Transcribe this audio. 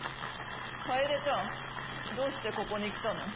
カエデちゃんどうしてここに来たの？